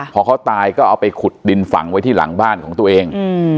พอเขาตายก็เอาไปขุดดินฝังไว้ที่หลังบ้านของตัวเอง